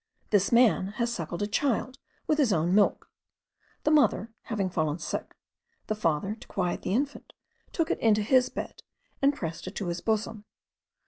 This man has suckled a child with his own milk. The mother having fallen sick, the father, to quiet the infant, took it into his bed, and pressed it to his bosom.